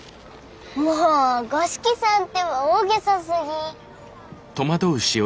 もう五色さんってば大げさすぎ。